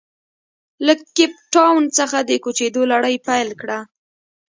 له کیپ ټاون څخه د کوچېدو لړۍ پیل کړه.